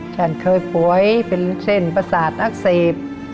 ฉันเคยป่วยเป็นเส้นประสาทอักเสบ